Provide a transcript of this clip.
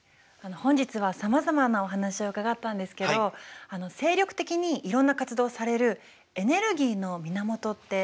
本日はさまざまなお話を伺ったんですけど精力的にいろんな活動をされるエネルギーの源って何でしょうか？